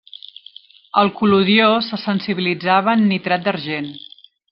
El col·lodió se sensibilitzava en nitrat d'argent.